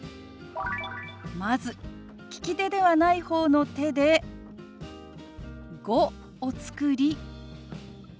まず利き手ではない方の手で「５」を作り